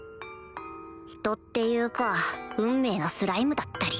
人っていうか運命のスライムだったり